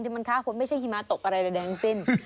ที่มันทะพุนไม่ใช่หิมะตกอะไรหรือแดงสิ้น